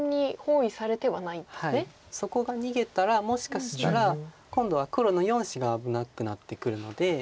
そこが逃げたらもしかしたら今度は黒の４子が危なくなってくるので。